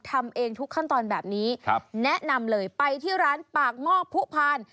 ทำเองทุกขั้นตอนแบบนี้ครับแนะนำเลยไปที่ร้านปากหม้อผู้พาน